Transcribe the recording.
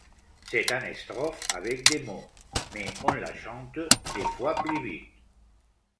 C'est une strophe avec des mots, mais on la chante deux fois plus vite.